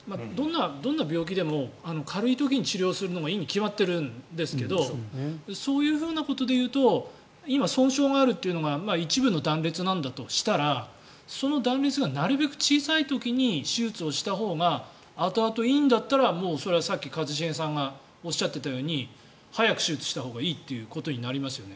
どんな病気でも軽い時に治療するのがいいに決まってるんですけどそういうことでいうと今、損傷があるというのが一部の断裂なんだとしたらその断裂がなるべく小さい時に手術をしたほうが後々いいんだったらもうそれはさっき一茂さんがおっしゃっていたように早く手術したほうがいいということになりますよね。